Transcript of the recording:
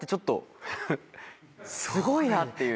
すごいなっていう。